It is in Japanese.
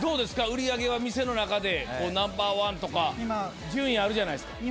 売り上げは店の中でナンバーワンとか順位あるじゃないですか。